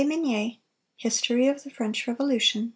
Mignet, "History of the French Revolution," ch.